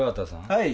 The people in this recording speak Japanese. はい。